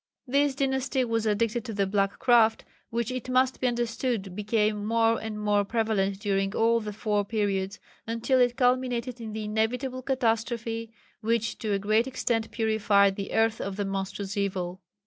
This dynasty was addicted to the black craft, which it must be understood became more and more prevalent during all the four periods, until it culminated in the inevitable catastrophe, which to a great extent purified the earth of the monstrous evil.